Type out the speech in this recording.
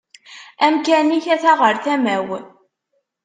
Amkan-ik ata ɣer tama-w